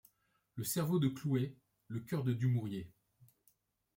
Le cerveau de Clouet, le coeur de Dumouriez.